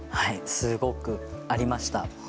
すごくありました。